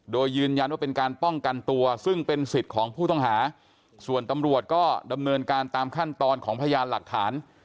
โดยยืนยันว่าเป็นการป้องกันตัวซึ่งเป็นสิทธิ์ของผู้ต้องหาส่วนตำรวจก็ดำเนินการตามขั้นตอนของพยานหลักฐาน